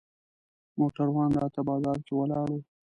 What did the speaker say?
موټروان راته بازار کې ولاړ و.